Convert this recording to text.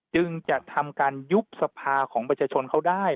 จึงจะทำการยุบสภาของประชาชนเขาได้